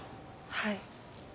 はい。